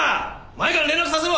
前川に連絡させろ。